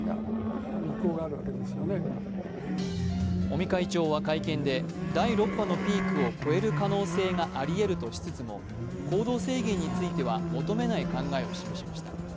尾身会長は会見で第６波のピークを越える可能性があり得るとしつつも行動制限については求めない考えを示しました。